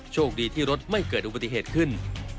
โชคดีที่รถไม่เกิดอุบัติเหตุขึ้น